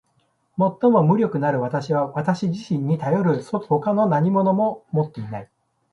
最も無力なる私は私自身にたよる外の何物をも持っていない。